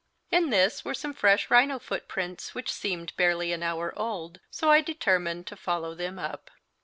In this were some fresh rhino footprints which seemed barely an hour old, so I determined to follow them up.